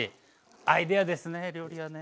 アイデアですね料理はね。